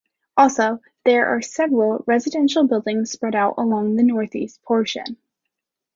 Also, there are several residential buildings spread out along the northeast portion.